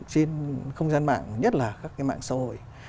trên không gian mạng nhất là các cái mạng xã hội